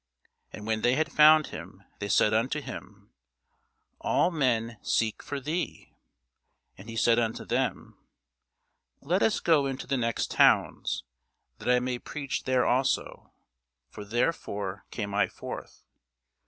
And when they had found him, they said unto him, All men seek for thee. And he said unto them, Let us go into the next towns, that I may preach there also: for therefore came I forth.